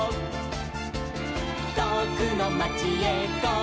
「とおくのまちへゴー！